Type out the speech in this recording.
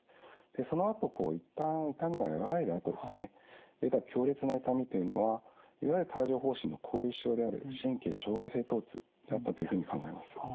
でそのあと一旦痛みが和らいだあとですね出た強烈な痛みというのはいわゆる帯状ほう疹の後遺症である神経障害性とう痛だったというふうに考えます。